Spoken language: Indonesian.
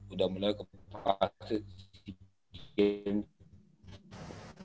udah mulai kepanggil masuk si game indonesia